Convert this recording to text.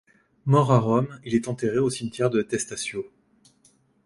Mort à Rome il est enterré au cimetière du Testaccio.